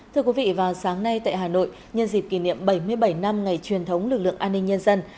thưa quý vị vào sáng nay tại hà nội nhân dịp kỷ niệm bảy mươi bảy năm ngày truyền thống lực lượng an ninh nhân dân